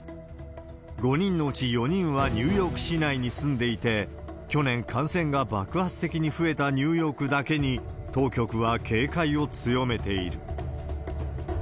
５人のうち４人はニューヨーク市内に住んでいて、去年、感染が爆発的に増えたニューヨークだけに、当局は警戒を強めている。